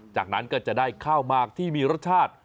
จากนั้นก็จะได้ข้าวหมากที่มีรสชาติ